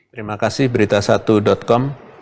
terima kasih beritasatu com